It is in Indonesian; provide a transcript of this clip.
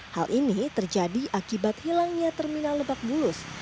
hal ini terjadi akibat hilangnya terminal lebak bulus